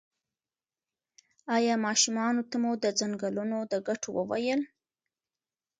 ایا ماشومانو ته مو د ځنګلونو د ګټو وویل؟